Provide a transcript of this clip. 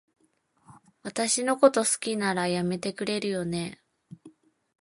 私のこと好きなら、やめてくれるよね？